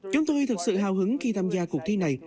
chúng tôi thực sự hào hứng khi tham gia cuộc thi này